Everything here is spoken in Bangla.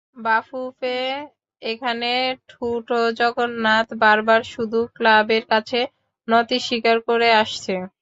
বাফুফে এখানে ঠুঁটো জগন্নাথ, বারবার শুধু ক্লাবের কাছে নতি স্বীকার করে আসছে।